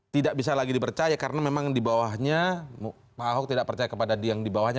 tidak bisa lagi dipercaya karena memang di bawahnya pak ahok tidak percaya kepada yang di bawahnya